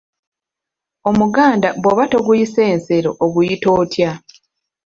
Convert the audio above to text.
Omuganda bw'oba toguyise nsero oguyita otya?